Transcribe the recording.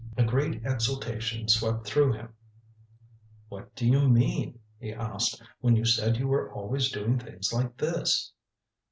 A great exultation swept through him "What did you mean," he asked, "when you said you were always doing things like this?"